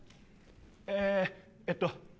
ええっと